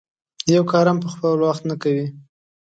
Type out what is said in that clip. یو کار هم پر وخت نه کوي.